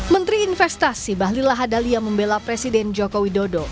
menteri investasi bahlil lahadalia membela presiden joko widodo